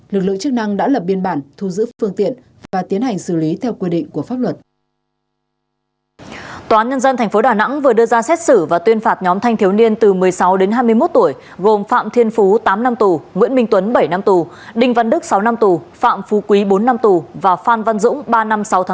lực lượng chức năng đã lập biên bản thu giữ phương tiện và tiến hành xử lý theo quy định của pháp luật